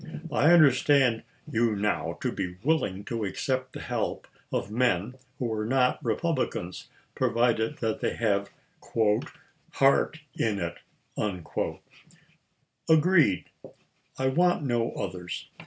I under stand you now to be willing to accept the help of men who are not Republicans, provided they have " heart in it." — Agreed. I want no others.